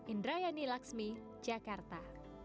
indrayani laksmi jakarta